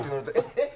えっ？